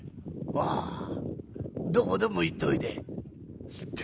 「ああどこでも行っといで。